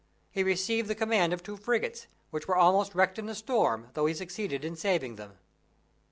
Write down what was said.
He received the command of two frigates, which were almost wrecked in a storm, though he succeeded in saving them.